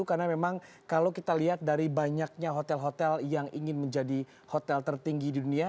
karena memang kalau kita lihat dari banyaknya hotel hotel yang ingin menjadi hotel tertinggi di dunia